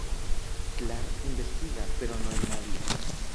Clark investiga, pero no hay nadie.